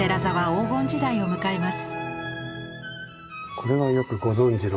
これはよくご存じの。